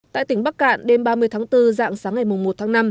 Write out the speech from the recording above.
tại tỉnh bắc cạn đêm ba mươi tháng bốn dạng sáng ngày một tháng năm